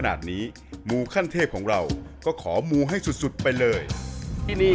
ชื่องนี้ชื่องนี้ชื่องนี้ชื่องนี้ชื่องนี้ชื่องนี้ชื่องนี้